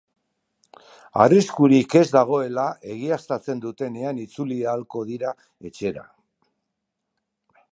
Arriskurik ez dagoela egiaztatzen dutenean itzuli ahalko dira etxera.